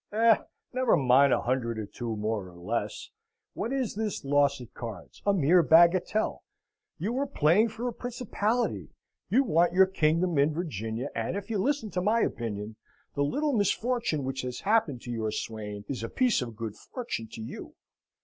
"Eh! never mind a hundred or two, more or less. What is this loss at cards? A mere bagatelle! You are playing for a principality. You want your kingdom in Virginia; and if you listen to my opinion, the little misfortune which has happened to your swain is a piece of great good fortune to you."